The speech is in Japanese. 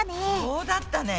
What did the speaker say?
そうだったね！